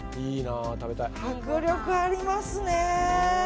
迫力ありますね！